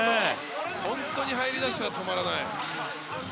本当に入りだしたら止まらない。